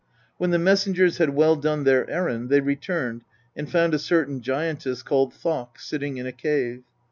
When the messengers had well done their errand they returned and found a certain giantess called Thokk sitting in a cave.